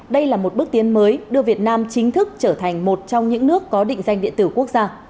đây là một bước tiến mới đưa việt nam chính thức trở thành một trong những nước có định danh điện tử quốc gia